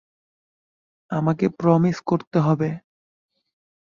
আমাকে প্রমিস করতে হবে।